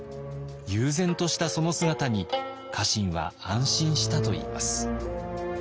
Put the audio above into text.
悠然としたその姿に家臣は安心したといいます。